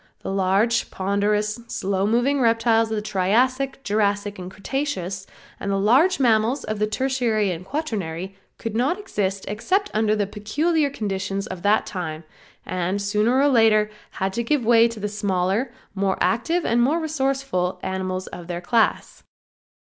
The large, ponderous, slow moving reptiles of the Triassic, Jurassic and the Cretaceous, and the large mammals of the Tertiary and Quarternary could not exist except under the peculiar conditions of that time, and sooner or later had to give way to the smaller, more active and more resourceful animals of their class.